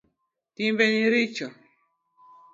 Timbeni richo